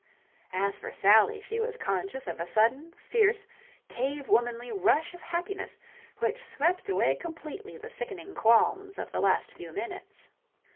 As for Sally, she was conscious of a sudden, fierce, cave womanly rush of happiness which swept away completely the sickening qualms of the last few minutes.